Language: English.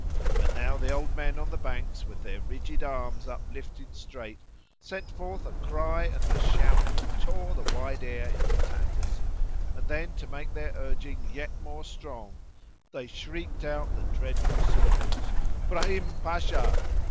But now the old men on the bank, with their rigid arms uplifted straight, sent forth a cry and a shout that tore the wide air into tatters, and then to make their urging yet more strong they shrieked out the dreadful syllables, "'brahim Pasha!"